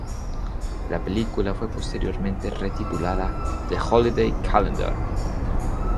La película fue posteriormente re-titulada "The Holiday Calendar".